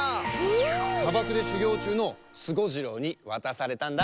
さばくでしゅぎょうちゅうのスゴジロウにわたされたんだ！